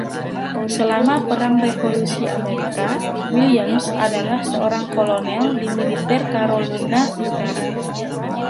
Selama Perang Revolusi Amerika, Williams adalah seorang kolonel di militer Carolina Utara.